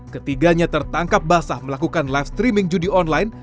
ketiganya tertangkap basah melakukan live streaming judi online